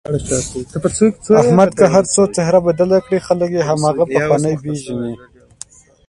احمد که هرڅو څهره بدله کړي خلک یې هماغه پخوانی پېژني.